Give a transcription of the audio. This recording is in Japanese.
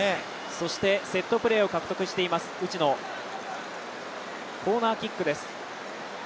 そしてセットプレーを獲得しています内野、コーナーキックです。